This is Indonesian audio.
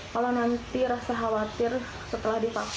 kalau nanti rasa khawatir setelah divaksin